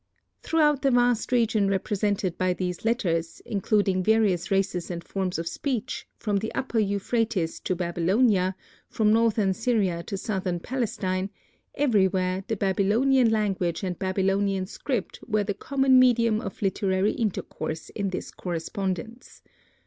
Throughout the vast region represented by these letters, including various races and forms of speech, from the upper Euphrates to Babylonia; from northern Syria to southern Palestine; everywhere, the Babylonian language and Babylonian script were the common medium of literary intercourse in this correspondence.